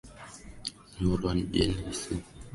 Nyurojenesi ya matibabu hujumuisha upunguzaji matumizi kwa